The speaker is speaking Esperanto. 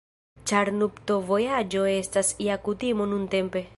Ĉar nuptovojaĝo estas ja kutimo nuntempe.